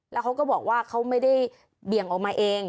แล้วเขาก็บอกว่าเขาไม่ได้เบี่ยงออกมาเอง